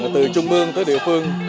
từ trung mương tới địa phương